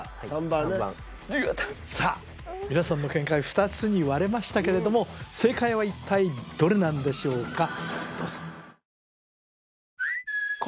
３番さあ皆さんの見解２つに割れましたけれども正解は一体どれなんでしょうか？